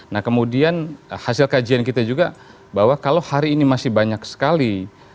nah kemudian hasil kajian kita juga bahwa kalau hari ini masih banyak sekali